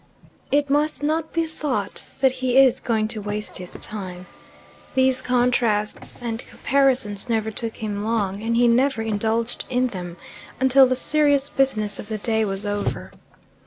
It must not be thought that he is going to waste his time. These contrasts and comparisons never took him long, and he never indulged in them until the serious business of the day was over.